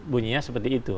bunyinya seperti itu